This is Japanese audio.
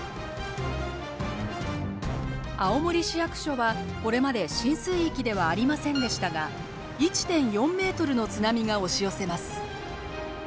青森市役所はこれまで浸水域ではありませんでしたが１．４メートルの津波が押し寄せます。